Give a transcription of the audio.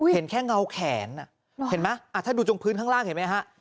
เห็นแค่เงาแขนถ้าดูจงพื้นข้างล่างเห็นไหมฮะ